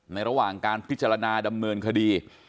ระหว่างการพิจารณาดำเนินคดี